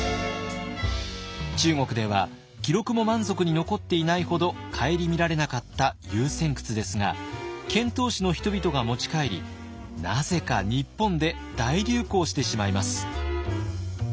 中国では記録も満足に残っていないほど顧みられなかった「遊仙窟」ですが遣唐使の人々が持ち帰りなぜか日本で大流行してしまいます。